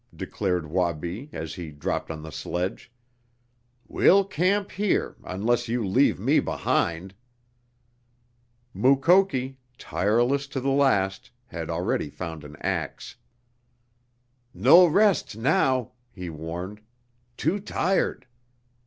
declared Wabi, as he dropped on the sledge. "We'll camp here unless you leave me behind!" Mukoki, tireless to the last, had already found an ax. "No rest now," he warned, "Too tired!